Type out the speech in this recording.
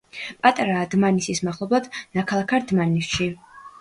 პატარა დმანისის მახლობლად, ნაქალაქარ დმანისში.